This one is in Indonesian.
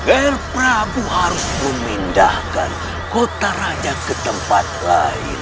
agar prabu harus memindahkan kota raja ke tempat lain